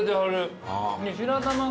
で白玉が。